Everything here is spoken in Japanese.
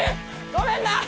ごめんな。